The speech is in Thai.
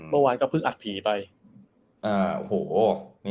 เมื่อวานก็เพิ่งอัดผีไปโอ้โห